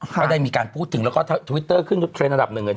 ไม่ได้มีการพูดถึงแล้วก็ทวิตเตอร์ขึ้นครั้ง